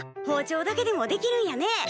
包丁だけでもできるんやね。